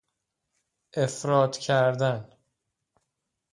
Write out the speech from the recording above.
افراط کردن